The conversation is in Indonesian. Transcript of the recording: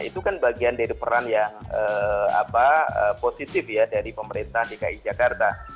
itu kan bagian dari peran yang positif ya dari pemerintah dki jakarta